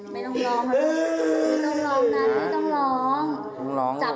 ไม่ต้องร้องนะลูก